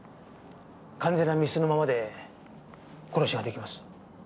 完全な密室のままで殺しが出来ます。